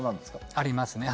ありますねはい。